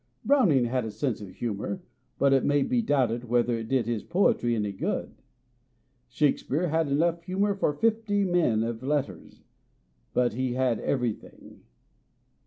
Browning had a sense of humour, but it may be doubted whether it did his poetry any good. POETS AND CRITICS 237 Shakespeare had enough humour for fifty men of letters ; but he had everything.